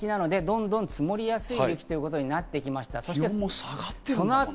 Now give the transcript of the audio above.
乾いた雪なのでどんどん積もりやすい雪ということになっていきました。